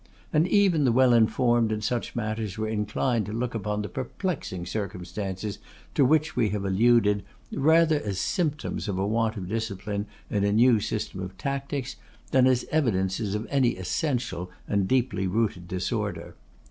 And even the well informed in such matters were inclined to look upon the perplexing circumstances to which we have alluded rather as symptoms of a want of discipline in a new system of tactics, than as evidences of any essential and deeply rooted disorder.